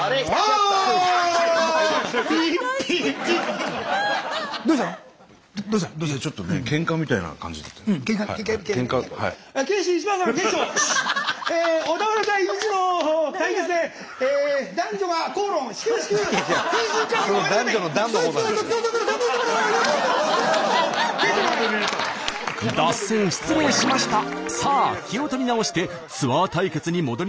さあ気を取り直してツアー対決に戻りましょう。